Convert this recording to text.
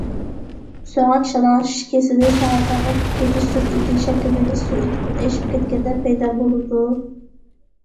سۆڭەك شالاڭلىشىش كېسىلى سۆڭەكنىڭ ئېقىپ كېتىش سۈرئىتى شەكىللىنىش سۈرئىتىدىن ئېشىپ كەتكەندە پەيدا بولىدۇ.